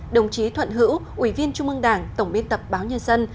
đồng chí thuận hữu ủy viên trung ương đảng tổng biên tập báo nhân dân